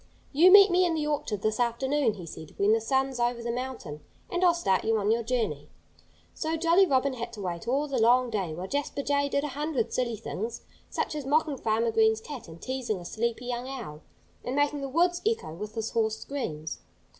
"You meet me in the orchard this afternoon," he said, "when the sun's over the mountain, and I'll start you on your journey." So Jolly Robin had to wait all the long day, while Jasper Jay did a hundred silly things, such as mocking Farmer Green's cat, and teasing a sleepy young owl, and making the woods echo with his hoarse screams.